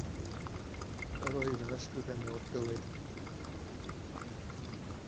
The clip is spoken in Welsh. Yr oedd yn ysgrifennwr diwyd.